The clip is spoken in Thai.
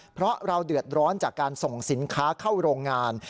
เพราะเราเดือดร้อนจากการส่งสินค้าเข้าโรงงาน